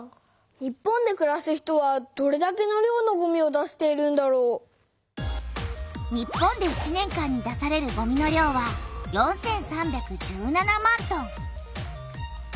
日本でくらす人はどれだけの量のごみを出しているんだろう？日本で１年間に出されるごみの量は４３１７万トン。